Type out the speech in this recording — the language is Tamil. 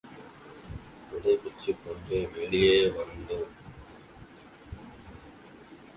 விடைபெற்றுக்கொண்டு வெளியே வந்தோம்.